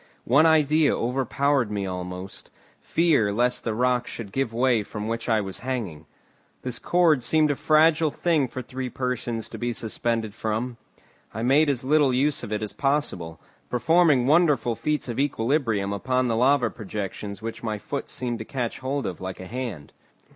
One idea overpowered me almost, fear lest the rock should give way from which I was hanging. This cord seemed a fragile thing for three persons to be suspended from. I made as little use of it as possible, performing wonderful feats of equilibrium upon the lava projections which my foot seemed to catch hold of like a hand.